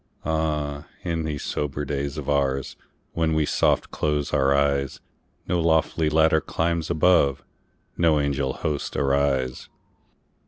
Ah, in these sober days of oursWhen we soft close our eyes, No lofty ladder climbs above, No angel hosts arise.